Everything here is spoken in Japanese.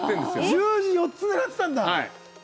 十字４つ狙ってたんだ。